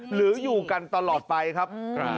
อยู่กันตลอดไปครับ